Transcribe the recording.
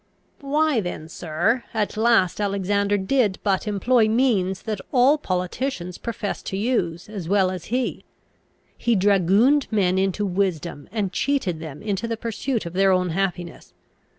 "Why then, sir, at last Alexander did but employ means that all politicians profess to use, as well as he. He dragooned men into wisdom, and cheated them into the pursuit of their own happiness.